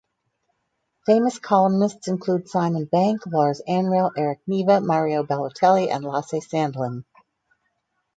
Famous columnists include Simon Bank, Lars Anrell, Erik Niva, Mario Balotelli and Lasse Sandlin.